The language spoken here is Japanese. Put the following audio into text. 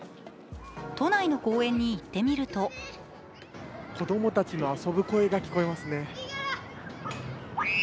都内の公園に行ってみると子供たちの遊ぶ声が聞こえますね。